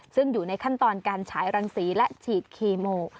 ซึ่งอยู่ในขั้นตอนการฉายรังสีและฉีดคีโม